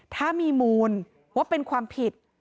ถ้ามีมูลว่าเป็นความผิด